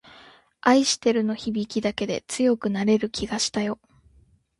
愛してるの響きだけで強くなれる気がしたよ